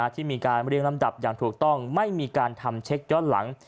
ที่มีการเรียงลำดับอย่างถูกต้องไม่มีการทำเช็คย้อนหลัง